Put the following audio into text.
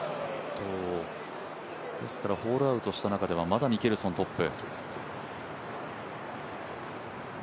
ホールアウトした中ではまだミケルソントップ。